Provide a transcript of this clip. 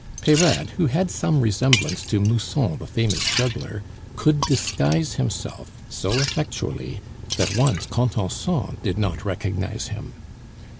Peyrade, who had some resemblance to Musson the famous juggler, could disguise himself so effectually that once Contenson did not recognize him.